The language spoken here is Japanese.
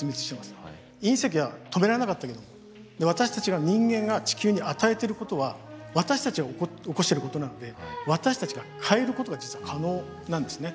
隕石は止められなかったけど私たちが人間が地球に与えてることは私たちが起こしてることなので私たちが変えることが実は可能なんですね。